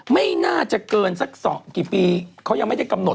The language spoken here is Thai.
ไม่น่าจะเกินสักกี่ปีเขายังไม่ได้กำหนด